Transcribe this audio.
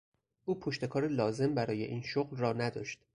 او پشتکار لازم برای این شغل را نداشت.